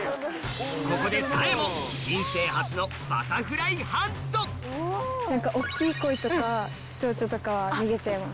ここでさえも人生初の大きい声とかチョウチョとかは逃げちゃいます。